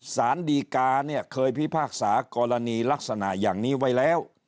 สดีกเคยพิพากษากรณีลักษณะอย่างนี้ไว้แล้ว